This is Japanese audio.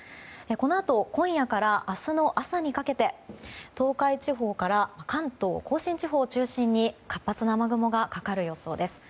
このあと今夜から明日の朝にかけて東海地方から関東甲信地方を中心に活発な雨雲がかかる予想です。